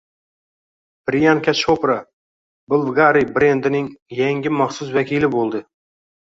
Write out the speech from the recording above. Priyanka Chopra Bvlgari brendining yangi maxsus vakili bo‘ldi